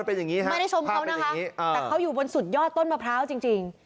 เป็นอย่างนี้ค่ะไม่ได้ชมเขานะคะแต่เขาอยู่บนสุดยอดต้นมะพร้าวจริง